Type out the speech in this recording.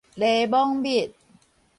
檸檬蜜